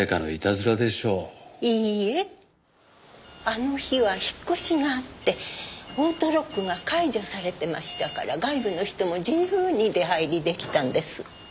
あの日は引っ越しがあってオートロックが解除されてましたから外部の人も自由に出入り出来たんです。